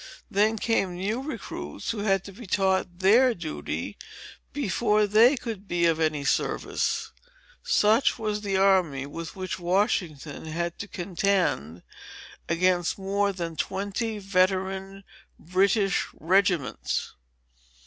Then came new recruits, who had to be taught their duty, before they could be of any service. Such was the army, with which Washington had to contend against more than twenty veteran British regiments.